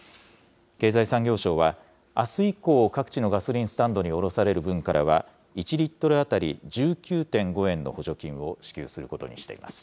経済産業省は、あす以降、各地のガソリンスタンドに卸される分からは、１リットル当たり１９．５円の補助金を支給することにしています。